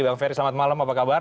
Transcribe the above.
bang ferry selamat malam apa kabar